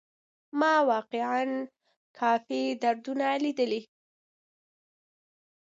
ما واقيعا کافي دردونه ليدلي.